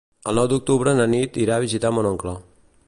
El nou d'octubre na Nit irà a visitar mon oncle.